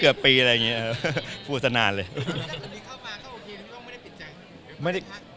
ก็เป็นปีเลยครับ